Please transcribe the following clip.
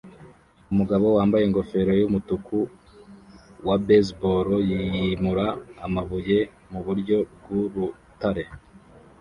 Umugabo wambaye ingofero yumutuku wa baseball yimura amabuye muburyo bwurutare